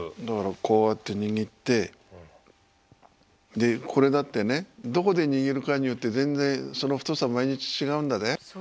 だからこうやって握ってこれだってねどこで握るかによって全然その太さ毎日違うんだね。